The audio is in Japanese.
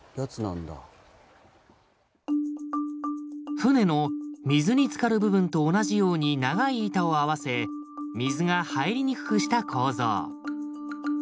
船の水につかる部分と同じように長い板を合わせ水が入りにくくした構造。